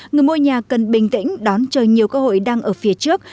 người mua nhà cần bình tĩnh đón chờ nhiều cơ hội đang ở phía trước